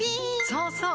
そうそう！